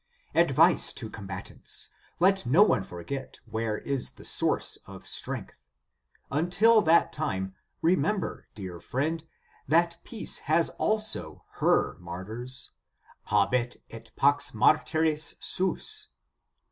Advice to combatants : let no one forget where is the source of strength. Until that time, remember, dear friend, that peace has also her martyrs, habet et pax martyres suos.